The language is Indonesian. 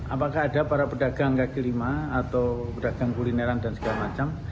apakah ada para pedagang kaki lima atau pedagang kulineran dan segala macam